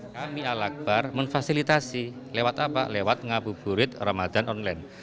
kami al akbar memfasilitasi lewat apa lewat ngabuburit ramadan online